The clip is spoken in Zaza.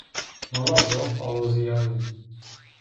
No la zaf alozîyayo